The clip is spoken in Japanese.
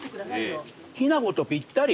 きな粉とぴったり！